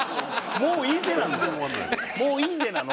「もういいぜ！」なの。